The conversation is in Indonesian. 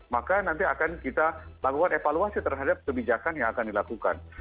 maka nanti akan kita lakukan evaluasi terhadap kebijakan yang akan dilakukan